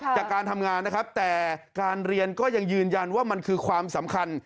จากการทำงานนะครับแต่การเรียนก็ยังยืนยันว่ามันคือความสำคัญ